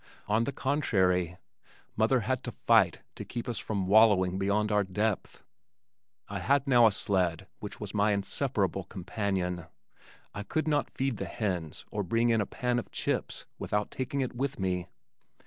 On the contrary mother had to fight to keep us from wallowing beyond our depth. I had now a sled which was my inseparable companion. I could not feed the hens or bring in a pan of chips without taking it with me.